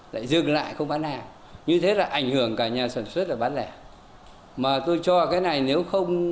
lại dừng lại không bán hàng như thế là ảnh hưởng cả nhà sản xuất và bán lẻ mà tôi cho cái này nếu không